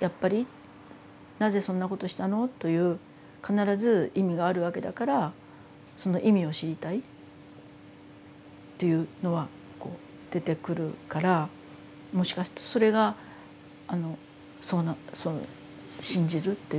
やっぱりなぜそんなことしたのという必ず意味があるわけだからその意味を知りたいっていうのはこう出てくるからもしかするとそれがあの信じるっていうことなのかもしれない。